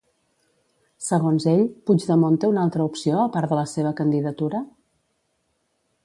Segons ell, Puigdemont té una altra opció a part de la seva candidatura?